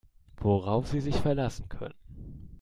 Worauf Sie sich verlassen können.